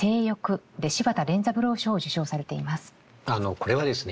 これはですね